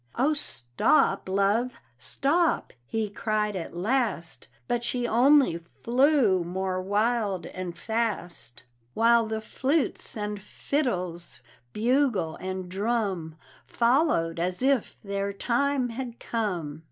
"Oh, stop, love, stop!" he cried at last; But she only flew more wild and fast, While the flutes and fiddles, bugle and drum, Followed as if their time had come.